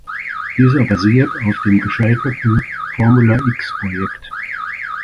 Dieser basiert auf dem gescheiterten Formula X-Projekt.